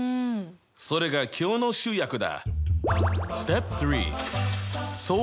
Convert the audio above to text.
それが今日の主役だ！